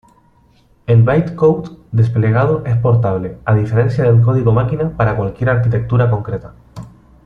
El "bytecode" desplegado es portable, a diferencia del código máquina para cualquier arquitectura concreta.